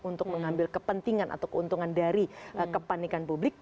untuk mengambil kepentingan atau keuntungan dari kepanikan publik